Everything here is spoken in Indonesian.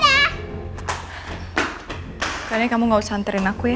pokoknya kamu gak usah hantarin aku ya